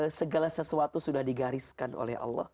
jadi segala sesuatu sudah digariskan oleh allah